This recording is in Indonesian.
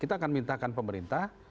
kita akan mintakan pemerintah